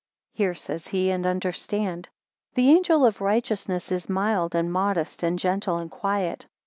Hear, says he, and understand. 9 The angel of righteousness, is mild and modest, and gentle, and quiet.